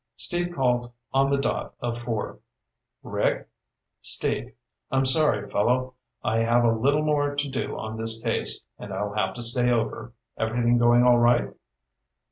Steve called on the dot of four. "Rick? ... Steve. I'm sorry, fellow. I have a little more to do on this case, and I'll have to stay over. Everything going all right?"